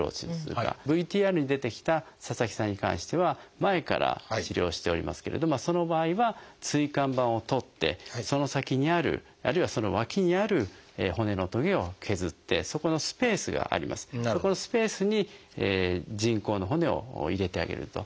ＶＴＲに出てきた佐々木さんに関しては前から治療しておりますけれどその場合は椎間板を取ってその先にあるあるいはその脇にある骨のトゲを削ってそこのスペースがありますのでそこのスペースに人工の骨を入れてあげると。